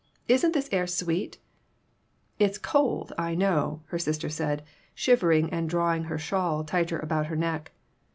Isn't this air sweet ?" "It's cold, I know," her sister said, shivering and drawing her shawl tighter about her neck.